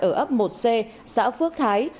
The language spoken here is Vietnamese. ở ấp một c xã phước thái